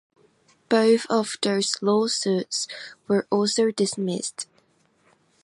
Both of those lawsuits were also dismissed.